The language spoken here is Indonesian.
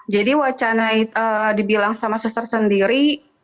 jadi wacana itu dibilang sama suster sendiri